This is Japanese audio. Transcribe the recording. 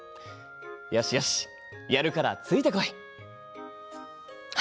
よしよしやるからついてこい。